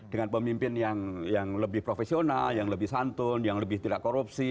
dengan pemimpin yang lebih profesional yang lebih santun yang lebih tidak korupsi